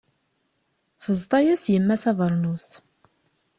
Teẓḍa-yas yemma-s abernus.